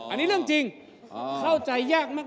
อันนี้เรื่องจริงเข้าใจยากมาก